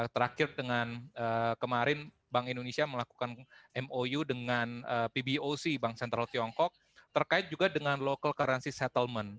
terakhir dengan kemarin bank indonesia melakukan mou dengan pboc bank sentral tiongkok terkait juga dengan local currency settlement